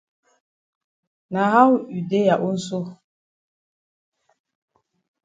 Na how you dey ya own so?